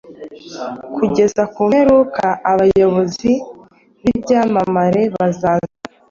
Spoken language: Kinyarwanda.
Kugeza ku mperuka abayobozi bibyamamare bazaza